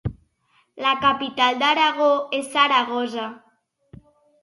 La capital d'Aragó és Saragossa.